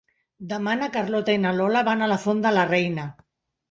Demà na Carlota i na Lola van a la Font de la Reina.